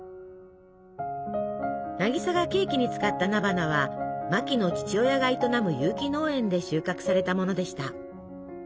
渚がケーキに使った菜花はマキの父親が営む有機農園で収穫されたものでした。